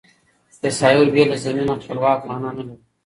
تصاویر بې له زمینه خپلواک معنا نه لري.